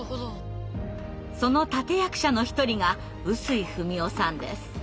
その立て役者の一人が臼井二美男さんです。